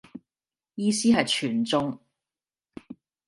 意思係全中